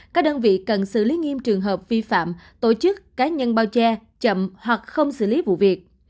các đơn vị cần xử lý nghiêm trường hợp vi phạm tổ chức cá nhân bao che chậm hoặc không xử lý vụ việc